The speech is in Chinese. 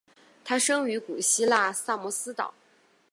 他生于古希腊萨摩斯岛。